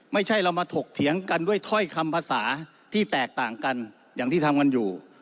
ไม่ใช่เรามาถกเถียงกันด้วยถ้อยคำภาษาที่แตกต่างกันอย่างที่ทำกันอยู่